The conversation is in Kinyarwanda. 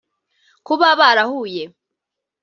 Kuba barahuye